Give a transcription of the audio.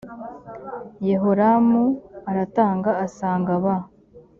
yehoramu aratanga asanga ba